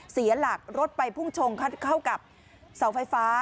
เสียหลักรถไปพุ่งชนเข้ากับเสาไฟฟ้า